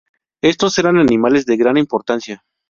Estos eran animales de gran importancia.